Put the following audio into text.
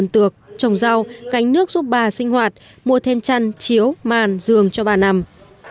nước giúp bà sinh hoạt mua thêm chăn chiếu màn giường cho bà nằm